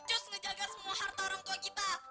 dia mau aja ya semua orang keriting